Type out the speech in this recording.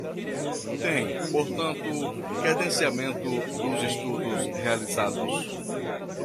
Tem, portanto, credenciamento dos estudos realizados.